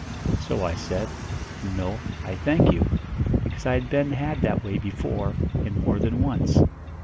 So I said, 'No, I thank you,' because I had been had that way before, and more than once.